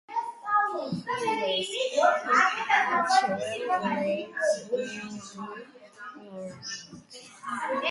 He was an active leader in the organization until his death.